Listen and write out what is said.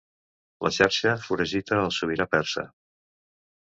La xarxa foragita el sobirà persa.